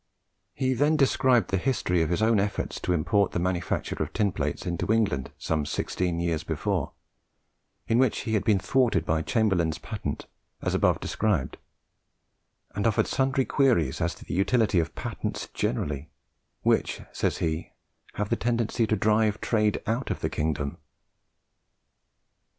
He then described the history of his own efforts to import the manufacture of tin plates into England some sixteen years before, in which he had been thwarted by Chamberlaine's patent, as above described, and offered sundry queries as to the utility of patents generally, which, says he, "have the tendency to drive trade out of the kingdom."